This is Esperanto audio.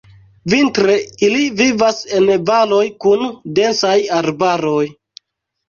Vintre ili vivas en valoj kun densaj arbaroj.